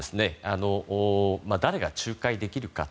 誰が仲介できるか。